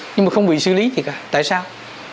nhưng mà không bị xử lý gì cả tại sao